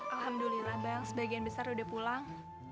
alhamdulillah bang sebagian besar udah pulang